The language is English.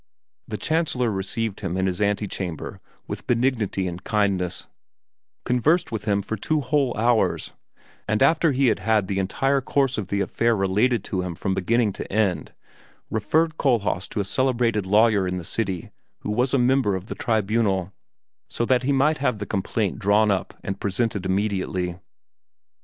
The Chancellor received him in his antechamber with benignity and kindness, conversed with him for two whole hours, and after he had had the entire course of the affair related to him from beginning to end, referred Kohlhaas to a celebrated lawyer in the city who was a member of the Tribunal, so that he might have the complaint drawn up and presented immediately.